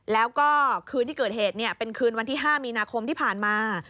แล้วก็คืนที่เกิดเหตุเป็นคืนวันที่๕มีนาคมที่ผ่านมา